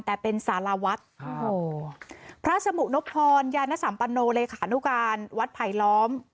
แต่เป็นสารวัฒน์โอ้โหพระสมุนพรยานสัมปันโนเลขานุการวัดไผลล้อม